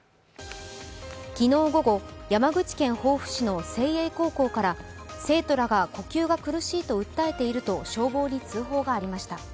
昨日午後、山口県防府市の誠英高校から生徒らが呼吸が苦しいと訴えていると消防に通報がありました。